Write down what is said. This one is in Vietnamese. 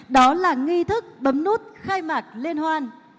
đó là nghi thức bấm nút khai mạc liên hoan